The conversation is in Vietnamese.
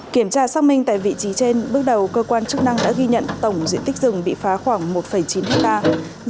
kiểm tra xác minh tại vị trí trên bước đầu cơ quan chức năng đã ghi nhận tổng diện tích rừng bị phá khoảng một chín hectare